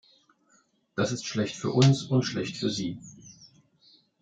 Das ist schlecht für uns und schlecht für sie.